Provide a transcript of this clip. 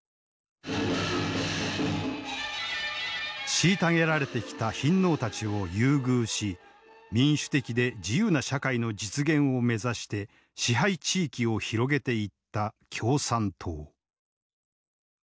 虐げられてきた貧農たちを優遇し民主的で自由な社会の実現を目指して支配地域を広げていった共産党。